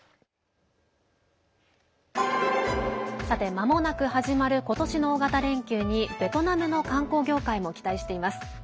まもなく始まる今年の大型連休にベトナムの観光業界も期待しています。